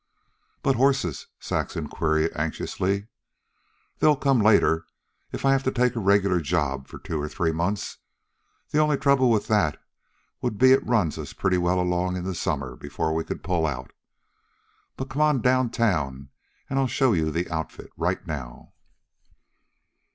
"But horses!" Saxon queried anxiously. "They'll come later if I have to take a regular job for two or three months. The only trouble with that 'd be that it'd run us pretty well along into summer before we could pull out. But come on down town an' I'll show you the outfit right now."